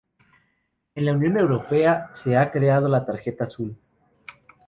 En la Unión Europea se ha creado la Tarjeta Azul.